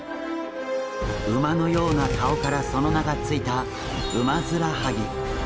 馬のような顔からその名が付いたウマヅラハギ。